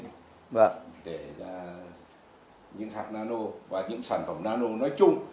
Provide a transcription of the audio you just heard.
để ra những hạt nano và những sản phẩm nano nói chung